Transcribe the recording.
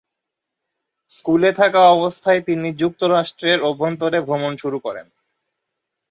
স্কুলে থাকা অবস্থায় তিনি যুক্তরাষ্ট্রের অভ্যন্তরে ভ্রমণ শুরু করেন।